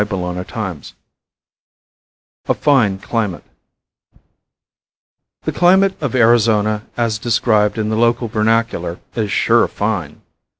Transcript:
CHAPTER XIV A FINE CLIMATE The climate of Arizona as described in the local vernacular is "sure fine."